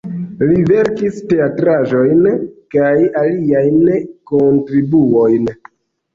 Li verkis teatraĵojn kaj aliajn kontribuojn.